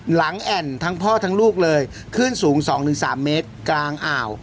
แอ่นทั้งพ่อทั้งลูกเลยขึ้นสูง๒๓เมตรกลางอ่าว